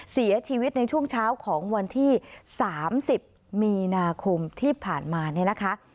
เสียชีวิตในช่วงเช้าของวันที่๓๐มีนาคมที่ผ่านมาเนี่ยนะคะ